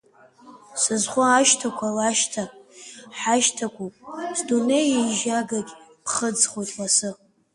Сызху ашьҭақәа лашьҭа-ҳәашьҭақәоуп, сдунеи еижьагагь ԥхыӡхоит лассы.